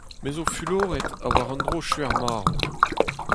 Me zo fuloret ha war un dro skuizh-marv.